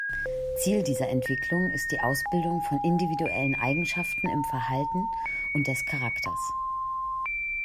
Ziel dieser Entwicklung ist die Ausbildung von individuellen Eigenschaften im Verhalten und des Charakters.